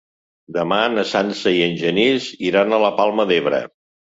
Demà na Sança i en Genís iran a la Palma d'Ebre.